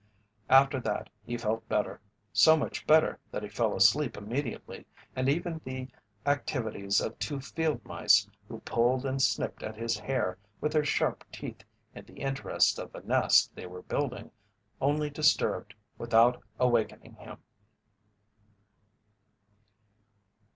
After that he felt better; so much better that he fell asleep immediately, and even the activities of two field mice, who pulled and snipped at his hair with their sharp teeth in the interests of a nest they were building, only disturbed without awakening him.